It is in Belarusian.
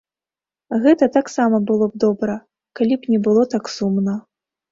Гэта таксама было б добра, калі б не было так сумна.